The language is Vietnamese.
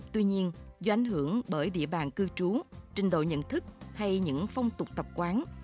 tuy nhiên do ảnh hưởng bởi địa bàn cư trú trình độ nhận thức hay những phong tục tập quán